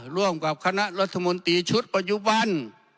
ร่วมกับคณะรัฐมนตรีชุดปัจจุบัน